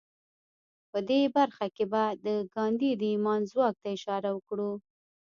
په دې برخه کې به د ګاندي د ايمان ځواک ته اشاره وکړو.